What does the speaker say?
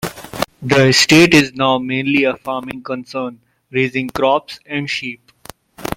The estate is now mainly a farming concern, raising crops and sheep.